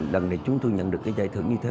lần này chúng tôi nhận được cái giải thưởng như thế